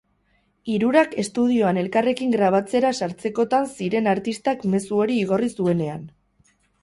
Hirurak estudioan elkarrekin grabatzera sartzekotan ziren artistak mezu hori igorri zuenean.